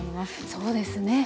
そうですね。